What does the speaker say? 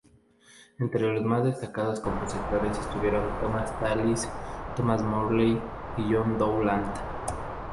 Entre los más destacados compositores estuvieron Thomas Tallis, Thomas Morley y John Dowland.